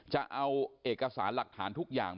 จะเอาเอกสารหลักฐานทุกอย่าง